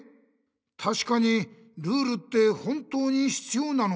たしかにルールって本当に必要なのかね？